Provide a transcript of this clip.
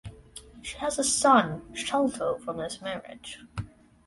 She has a son, Sholto, from this marriage.